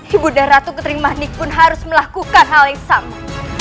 ibu nda ratu ketering mani pun harus melakukan hal yang sama